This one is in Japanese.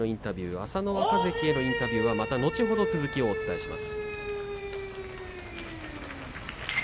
朝乃若関へのインタビューは後ほど、続きをお伝えします。